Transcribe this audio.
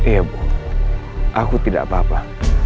iya bu aku tidak apa apa